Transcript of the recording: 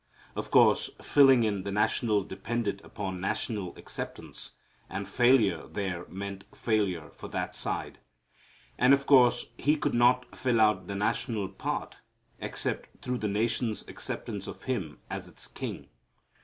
Of course filling in the national depended upon national acceptance, and failure there meant failure for that side. And, of course, He could not fill out the national part except through the nation's acceptance of Him as its king.